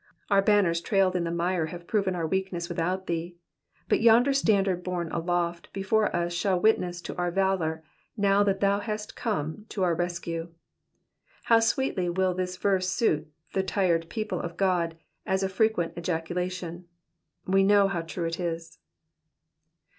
Our banners trailed m the mire have proven our weakness without thee, but yonder standard borne aloft before us shall witness to our valour now that thou hast come to our rescue. How sweetly y%\\ this verse suit the tried people of God as a frequent ejaculation. We know how true it is.